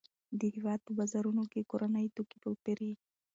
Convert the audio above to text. د هېواد په بازارونو کې کورني توکي وپیرئ.